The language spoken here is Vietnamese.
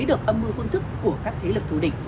được âm mưu phương thức của các thế lực thù địch